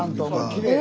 きれい！